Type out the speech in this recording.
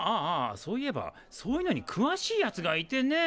そういえばそういうのにくわしいやつがいてね。